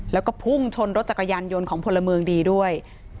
แล้วก็พุ่งชนรถจักรยานยนต์ของพลเมืองดีด้วย